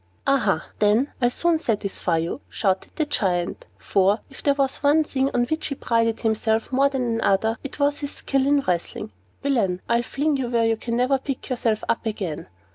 "Aha! then I'll soon satisfy you," shouted the Giant; for, if there was one thing on which he prided himself more than another, it was his skill in wrestling. "Villain, I'll fling you where you can never pick yourself up again."